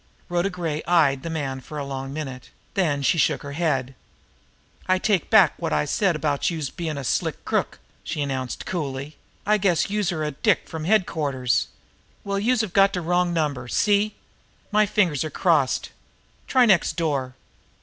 Rhoda Gray eyed the man for a long minute; then she shook her head. "I take back wot I said about youse bein' a slick crook," she announced coolly. "I guess youse're a dick from headquarters. Well, youse have got de wrong number see? Me fingers are crossed. Try next door!"